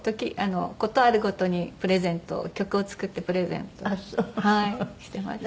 事あるごとにプレゼントを曲を作ってプレゼントをしてました。